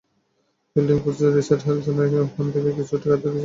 Fielding coach Richard Halsall ওখান থেকেই ছুটি কাটাতে চলে যাবেন লন্ডনে।